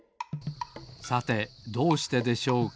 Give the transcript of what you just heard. さてどうしてでしょうか？